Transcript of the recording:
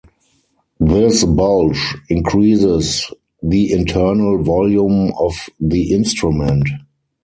This bulge increases the internal volume of the instrument.